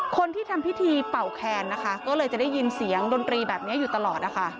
คนที่ทำพิธีเป่าแคนนะคะก็เลยจะได้ยินเสียงดนตรีแบบนี้อยู่ตลอดนะคะ